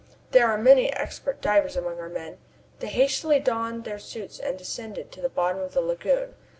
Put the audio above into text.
There are many expert divers among our men. They hastily donned their suits and descended to the bottom of the lagoon.